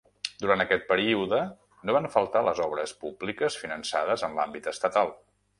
Durant aquest període no van faltar les obres públiques finançades en l'àmbit estatal.